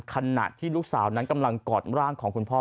ขณะที่ลูกสาวนั้นกำลังกอดร่างของคุณพ่อ